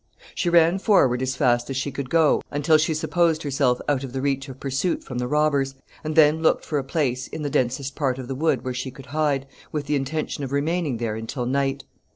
] She ran forward as fast as she could go until she supposed herself out of the reach of pursuit from the robbers, and then looked for a place in the densest part of the wood where she could hide, with the intention of remaining there until night.